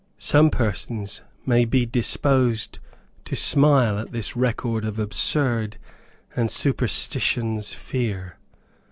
Some persons may be disposed to smile at this record of absurd and superstitions fear.